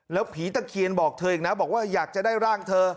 แล้วผีตะเคียนบอกเธออีกนะบอกว่าอยากจะได้ร่างเธอ